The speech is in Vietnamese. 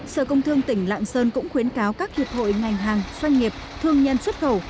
sở công thương tỉnh lạng sơn cũng khuyến cáo các hiệp hội ngành hàng doanh nghiệp thương nhân xuất khẩu